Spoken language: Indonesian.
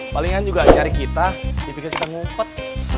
palingan juga nyari kita dipikir kita ngumpet